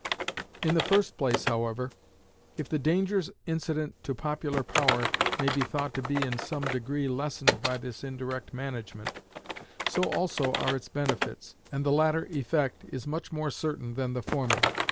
In the first place, however, if the dangers incident to popular power may be thought to be in some degree lessened by this indirect management, so also are its benefits; and the latter effect is much more certain than the former.